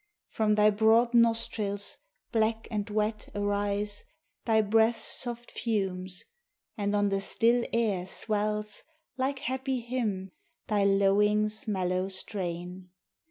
From thy broad nostrils, black and wet, arise Thy breath's soft fumes; and on the still air swells, Like happy hymn, thy lowing's mellow strain.